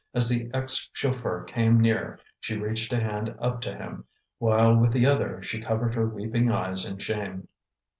As the ex chauffeur came near, she reached a hand up to him, while with the other she covered her weeping eyes in shame.